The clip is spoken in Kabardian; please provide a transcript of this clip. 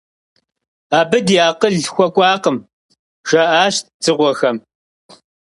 Абы ди акъыл хуэкӀуакъым, - жаӀащ дзыгъуэхэм.